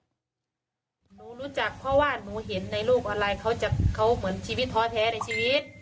หนูรู้จักเพราะว่าหนูเห็นในโลกออนไลน์เขาจะเขาเหมือนชีวิตท้อแท้ในชีวิต